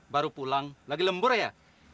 baru pulang lagi lembur ya